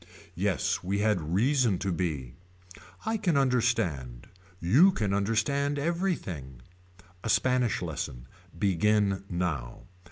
Yes we had reason to be. I can understand. You can understand everything. A Spanish lesson. Begin now.